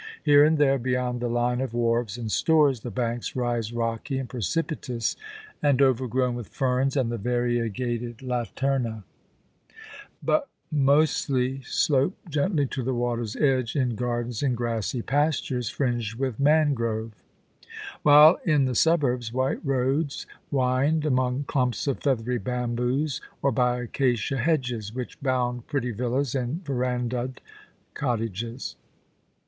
Here and there, beyond the line of wharves and stores, the banks rise rocky and precipitous, and overgrown with ferns and the variegated THE WE A VING OF THE SPELL. 37 latama; bGt mostly slope gently to the water's edge in gardens and grassy pastures, fringed with mangrove ; while in the suburbs white roads wind among clumps of feathery bamboos, or by acacia hedges, which bound pretty villas and verandahed cottages.